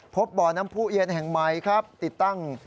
พบบ่อน้ำผู้เอียนแห่งใหม่ครับติดตั้ง